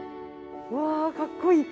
わあかっこいい。